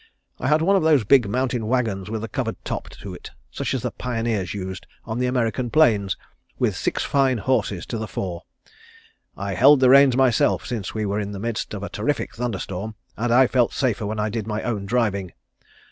I had one of those big mountain wagons with a covered top to it such as the pioneers used on the American plains, with six fine horses to the fore. I held the reins myself, since we were in the midst of a terrific thunderstorm and I felt safer when I did my own driving.